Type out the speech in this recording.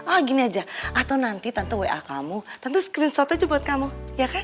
ah gini aja atau nanti tante wa kamu tante screenshot aja buat kamu ya kan